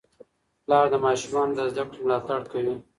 پلار د ماشومانو د زده کړې ملاتړ کوي.